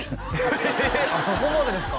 ええそこまでですか？